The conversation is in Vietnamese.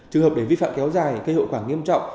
trường hợp để vi phạm kéo dài cây hộ quảng nghiêm trọng